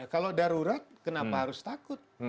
kalau darurat kenapa harus takut